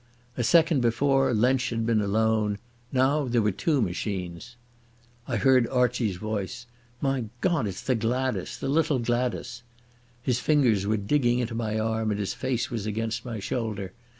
A second before Lensch had been alone; now there were two machines. I heard Archie's voice. "My God, it's the Gladas—the little Gladas." His fingers were digging into my arm and his face was against my shoulder.